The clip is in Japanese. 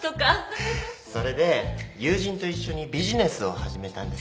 それで友人と一緒にビジネスを始めたんです。